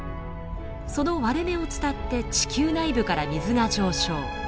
その割れ目を伝って地球内部から水が上昇。